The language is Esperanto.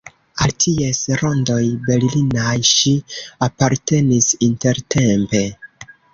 Al ties rondoj berlinaj ŝi apartenis intertempe.